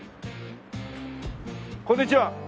こんにちは。